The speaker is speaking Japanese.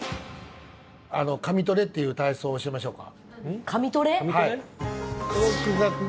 噛みトレっていう体操教えましょうか。